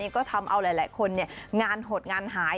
ก็ทำเอาหลายคนงานหดงานหาย